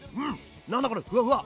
何だこれふわふわ！